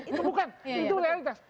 itu bukan itu realitas